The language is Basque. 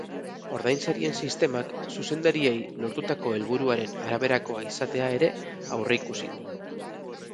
Ordainsarien sistemak zuzendariei lortutako helburuaren araberakoa izatea ere aurreikusi du.